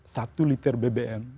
satu liter bbm